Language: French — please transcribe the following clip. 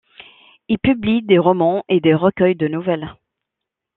Il publie des romans et des recueils de nouvelles.